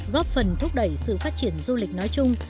góp phần thúc đẩy sự phát triển du lịch nói chung